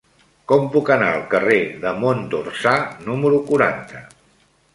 Com puc anar al carrer de Mont d'Orsà número quaranta?